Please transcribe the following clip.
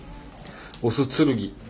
オスつるぎ！